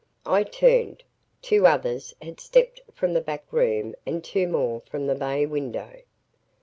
I turned. Two others had stepped from the back room and two more from the bay window.